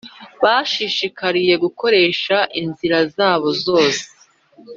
Bashishikariye kugoreka inzira zabo zose